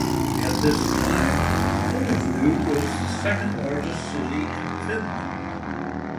At this time, Porvoo was the second largest city in Finland.